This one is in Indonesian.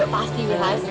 pasti bilang setuju